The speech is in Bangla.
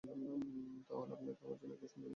তাহলে আপনাকে আমার জন্য একটা সুন্দর মেয়ে খুঁজতে হবে।